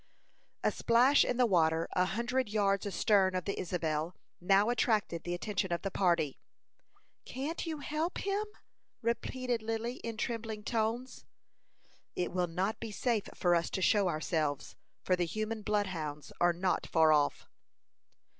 A splash in the water a hundred yards astern of the Isabel now attracted the attention of the party. "Can't you help him?" repeated Lily, in trembling tones. "It will not be safe for us to show ourselves, for the human bloodhounds are not far off."